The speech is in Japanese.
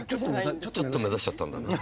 ちょっと目指しちゃったんだ。